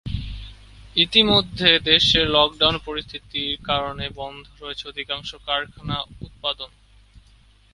ইতোমধ্যে দেশের লকডাউন পরিস্থিতির কারণে বন্ধ রয়েছে অধিকাংশ কারখানার উৎপাদন।